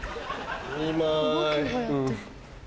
２枚。